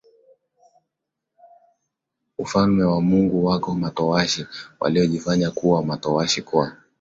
Ufalme wa Mungu Wako matowashi waliojifanya kuwa matowashi kwa